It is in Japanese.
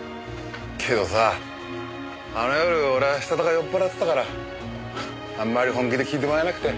けどさあの夜俺はしたたか酔っ払ってたからあんまり本気で聞いてもらえなくて。